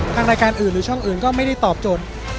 ทางรายการอื่นหรือช่องอื่นก็ไม่ได้ตอบโจทย์